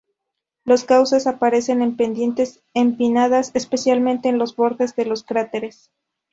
Los cauces aparecen en pendientes empinadas, especialmente en los bordes de los cráteres.